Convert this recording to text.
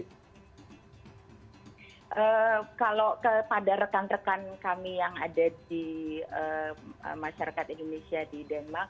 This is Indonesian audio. kalau kepada rekan rekan kami yang ada di masyarakat indonesia di denmark